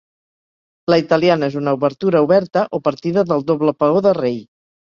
La italiana és una obertura oberta, o partida del doble peó de rei.